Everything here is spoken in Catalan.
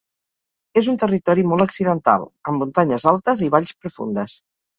És un territori molt accidental, amb muntanyes altes i valls profundes.